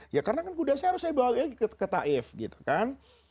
ya karena kan kuda saya harus saya bawa lagi ke taif gitu kan